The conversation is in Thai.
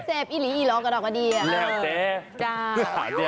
แซบอีหรี่เหรอกะดอกกาดีได้